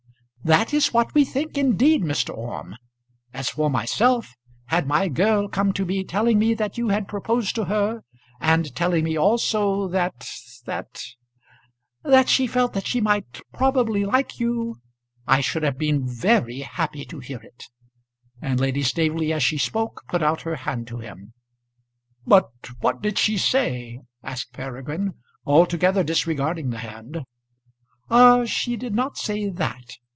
"That is what we think, indeed, Mr. Orme. As for myself, had my girl come to me telling me that you had proposed to her, and telling me also that that that she felt that she might probably like you, I should have been very happy to hear it." And Lady Staveley as she spoke, put out her hand to him. "But what did she say?" asked Peregrine, altogether disregarding the hand. "Ah, she did not say that.